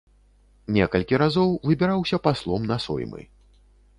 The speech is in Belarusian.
Некалькі разоў выбіраўся паслом на соймы.